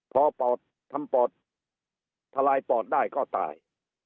ทำรายปอดทำรายปอดได้ก็ตาย